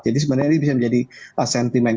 jadi sebenarnya ini bisa menjadi sentiment